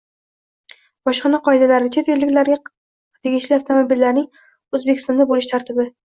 Bojxona qoidalari: Chet elliklarga tegishli avtomobillarning O‘zbekistonda bo‘lish tartibi